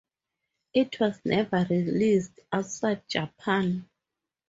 It was never released outside Japan.